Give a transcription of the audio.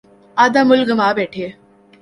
آدھا ملک گنوا بیٹھے۔